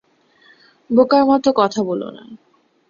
বোকার মত কথা বোলোনা।